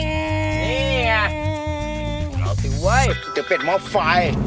ของเราสิเว้ยเตี๋ยวเป็ดมอร์ตไฟ